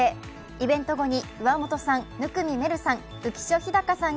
イベント後に岩本さん、生見愛瑠さん